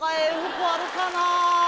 服あるかな。